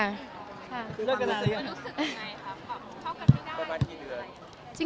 รู้สึกยังไงครับชอบกันไม่ได้